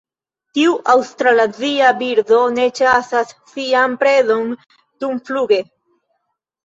Tiu aŭstralazia birdo ne ĉasas sian predon dumfluge.